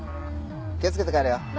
気をつけて帰れよ。